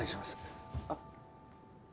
あっ。